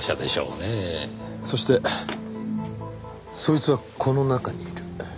そしてそいつはこの中にいる。